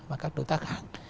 và các đối tác khác